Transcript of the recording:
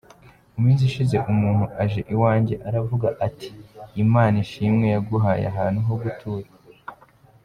Mu minsi ishize umuntu aje iwanjye aravuga ati Imana ishimwe yaguhaye ahantu ho gutura.